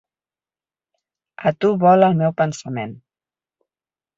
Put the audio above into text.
A tu vola el meu pensament.